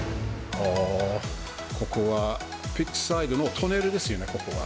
ここはピッチサイドのトンネルですよね、ここは。